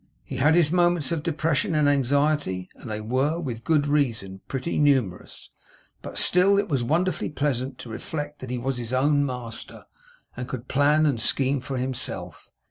He had his moments of depression and anxiety, and they were, with good reason, pretty numerous; but still, it was wonderfully pleasant to reflect that he was his own master, and could plan and scheme for himself.